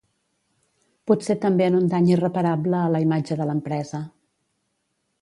Potser també en un dany irreparable a la imatge de l’empresa.